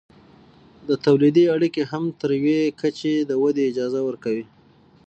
د تولید اړیکې هم تر یوې کچې د ودې اجازه ورکوي.